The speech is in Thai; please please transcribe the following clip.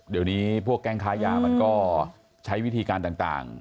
เดี๋ยวนี้พวกแก๊งค้ายามันก็ใช้วิธีการต่าง